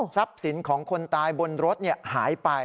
ทรัพย์สินของคนตายบนรถหายไป